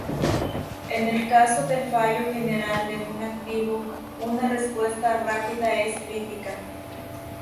En el caso de fallo general de un activo, una respuesta rápida es crítica.